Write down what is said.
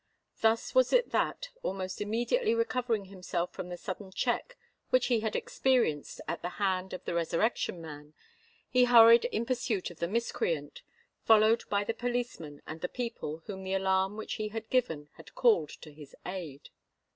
Thus was it that, almost immediately recovering himself from the sudden check which he had experienced at the hands of the Resurrection Man, he hurried in pursuit of the miscreant, followed by the policeman and the people whom the alarm which he had given had called to his aid.